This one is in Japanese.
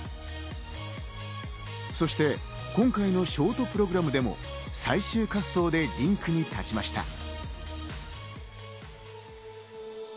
そして今回のショートプログラムでも最終滑走でリンクに立ちました。